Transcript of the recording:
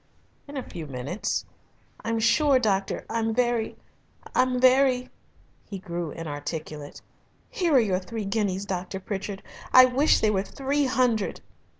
"In a few minutes." "I'm sure, doctor, I'm very I'm very " he grew inarticulate. "Here are your three guineas, Dr. Pritchard. I wish they were three hundred."